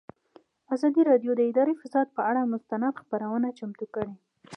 ازادي راډیو د اداري فساد پر اړه مستند خپرونه چمتو کړې.